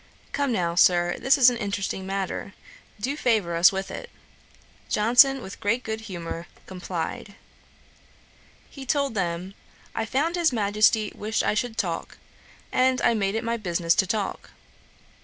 'Come now, Sir, this is an interesting matter; do favour us with it.' Johnson, with great good humour, complied. He told them, 'I found his Majesty wished I should talk, and I made it my business to talk.